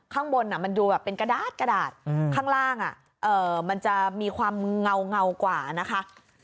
ข้างบนมันดูแบบเป็นกระดาษกระดาษข้างล่างมันจะมีความเงากว่านะคะ